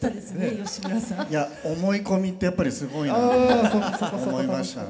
義村さん。いや思い込みってやっぱりすごいんだなと思いましたね。